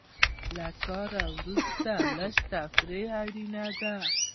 له کار وروسته لږه تفریح اړینه ده.